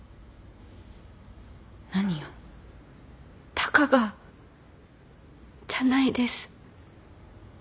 たかがじゃないです。